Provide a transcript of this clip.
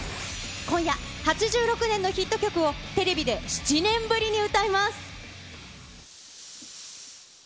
今夜、８６年のヒット曲を、テレビで７年ぶりに歌います。